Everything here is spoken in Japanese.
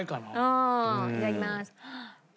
ああいただきます。